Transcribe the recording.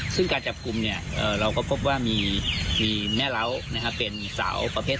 ซึ่งการจับกลุ่มเราก็พบว่ามีแม่เล้าเป็นสาวประเภท